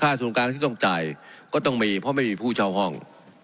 ส่วนกลางที่ต้องจ่ายก็ต้องมีเพราะไม่มีผู้เช่าห้อง